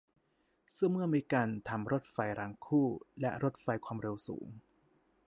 ซึ่งเมื่อมีการทำรถไฟรางคู่ และ รถไฟความเร็วสูง